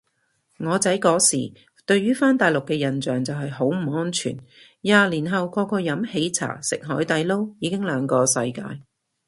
我仔嗰時對於返大陸嘅印象就係好唔安全，廿年後個個飲喜茶食海底撈已經兩個世界